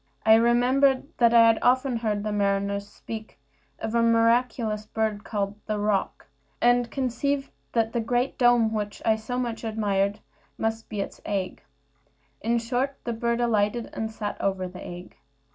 I remembered that I had often heard mariners speak of a miraculous bird called the roc, and conceived that the great dome which I so much admired must be its egg. In short, the bird alighted, and sat over the egg.